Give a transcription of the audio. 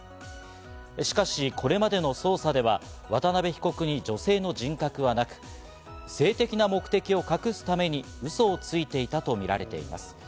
しかし、これまでの捜査では渡辺被告に女性の人格はなく、性的な目的を隠すためにウソをついていたとみられています。